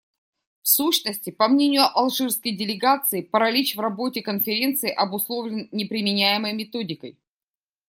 В сущности, по мнению алжирской делегации, паралич в работе Конференции обусловлен не применяемой методикой.